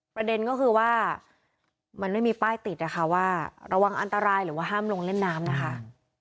ประเด็นก็คือว่ามันไม่มีป้ายติดนะคะว่าระวังอันตรายหรือว่าห้ามลงเล่นน้ำนะคะ